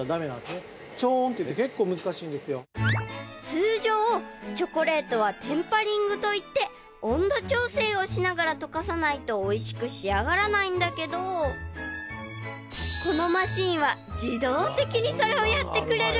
［通常チョコレートはテンパリングといって温度調整をしながら溶かさないとおいしく仕上がらないんだけどこのマシンは自動的にそれをやってくれる！］